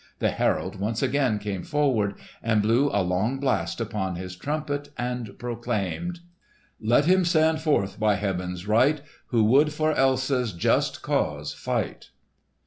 The herald once again came forward and blew a long blast upon his trumpet, and proclaimed, "Let him stand forth by Heaven's right Who would for Elsa's just cause fight!"